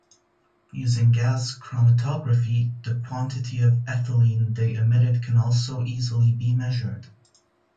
Using gas chromatography, the quantity of ethylene they emitted can also easily be measured.